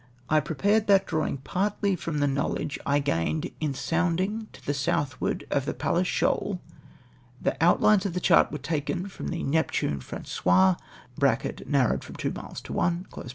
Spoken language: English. "I prepared that drawing partly from the knowledge I gained in sounding to the southward of the Palles Shoal. The outlines of the chart are taken from the Neptune Fran cois (narrowed from two miles to one